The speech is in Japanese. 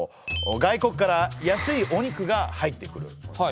外国から安いお肉が入ってくる。